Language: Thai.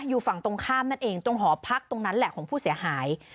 อยู่ฝั่งตรงข้ามนั่นเองตรงหอพักตรงนั้นแหละของผู้เสียหาย